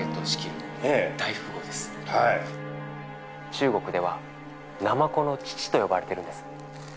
中国ではナマコの父と呼ばれてるんです。